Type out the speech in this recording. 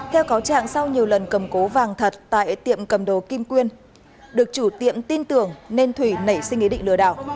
theo cáo trạng sau nhiều lần cầm cố vàng thật tại tiệm cầm đồ kim quyên được chủ tiệm tin tưởng nên thủy nảy sinh ý định lừa đảo